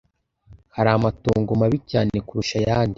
hari amatongo mabi cyane kurusha ayandi